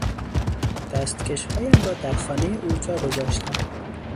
دستکش هایم را در خانهٔ او جا گذاشتم.